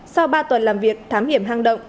sau ba tuần làm việc thám hiểm hang động